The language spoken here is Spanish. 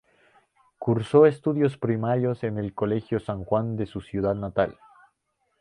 Cursó estudios primarios en el colegio San Juan de su ciudad natal.